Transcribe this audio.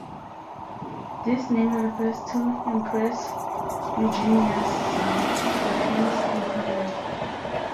This name refers to Empress Eugenia's son, the Prince Imperial.